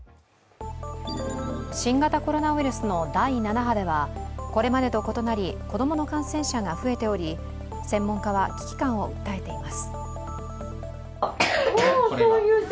新型コロナウイルスの第７波ではこれまでと異なり子供の感染者が増えており、専門家は危機感を訴えています。